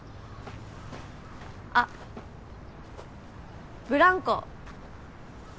あブランコ。